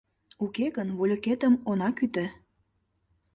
Уке гын, вольыкетым она кӱтӧ.